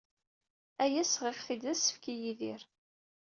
Aya sɣiɣ-t-id d asefk i Yidir.